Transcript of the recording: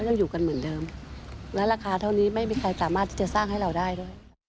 ยังอยู่กันเหมือนเดิมและราคาเท่านี้ไม่มีใครสามารถที่จะสร้างให้เราได้ด้วย